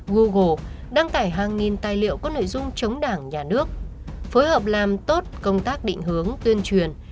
google đăng tải hàng nghìn tài liệu có nội dung chống đảng nhà nước phối hợp làm tốt công tác định hướng tuyên truyền